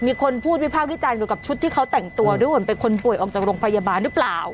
มีคนพูดพิพาคพิจารณ์กับชุดที่เขาแต่งตัวหรือเป็นคนป่วยออกจากโรงพยาบาลหรือเปล่า